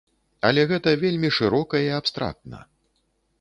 Але гэта вельмі шырока і абстрактна.